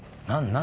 何？